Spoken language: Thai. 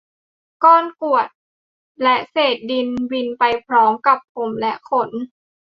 ก้อนกรวดและเศษดินบินไปพร้อมกับผมและขน